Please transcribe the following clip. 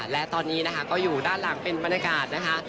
และตอนนี้นะคะก็อยู่ด้านหลังเป็นบรรยากาศนะคะ